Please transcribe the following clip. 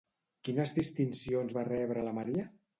Quines distincions va rebre la Maria?